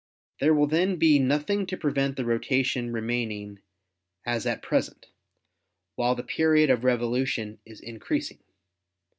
There will then be nothing to prevent the rotation remaining as at present, while the period of revolution is increasing.